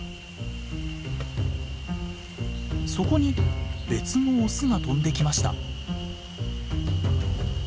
そこに別のオスが飛んできました。